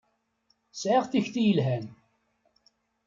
Sɛiɣ takti yelhan.